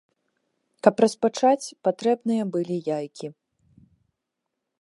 Каб распачаць, патрэбныя былі яйкі.